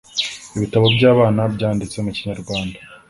Ibitabo by'abana byanditse mu Kinyarwanda